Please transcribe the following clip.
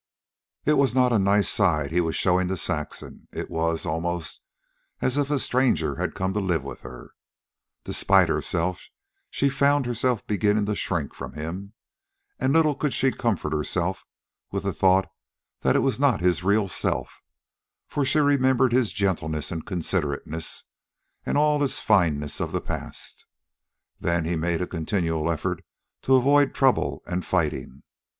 It was not a nice side he was showing to Saxon. It was, almost, as if a stranger had come to live with her. Despite herself, she found herself beginning to shrink from him. And little could she comfort herself with the thought that it was not his real self, for she remembered his gentleness and considerateness, all his finenesses of the past. Then he had made a continual effort to avoid trouble and fighting.